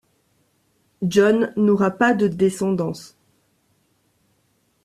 John n'aura pas de descendance.